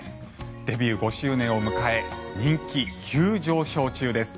デビュー５周年を迎え人気急上昇中です。